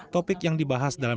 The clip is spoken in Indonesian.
topik yang dibahas dalam